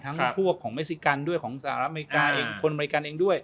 พวกของเมซิกันด้วยของสหรัฐอเมริกาเองคนอเมริกันเองด้วย